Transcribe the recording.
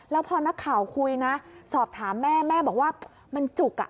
แล้วพอนักข่าวคุยนะสอบถามแม่แม่บอกว่ามันจุกอ่ะ